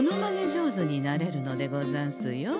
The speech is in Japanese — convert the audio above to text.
上手になれるのでござんすよ。